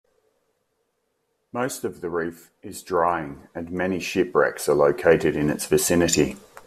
Most of the reef is drying and many shipwrecks are located in its vicinity.